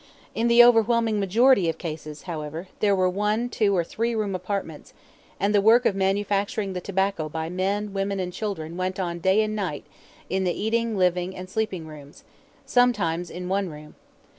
In the overwhelming majority of cases, however, there were one, two, or three room apartments, and the work of manufacturing the tobacco by men, women, and children went on day and night in the eating, living, and sleeping rooms sometimes in one room.